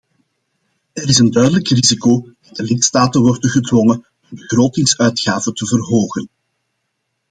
Er is een duidelijk risico dat de lidstaten worden gedwongen de begrotingsuitgaven te verhogen.